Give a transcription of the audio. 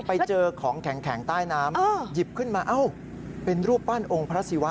ไปเจอของแข็งใต้น้ำหยิบขึ้นมาเอ้าเป็นรูปปั้นองค์พระศิวะ